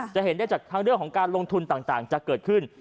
จะเห็นได้จากทั้งเรื่องของการลงทุนต่างจะเกิดขึ้น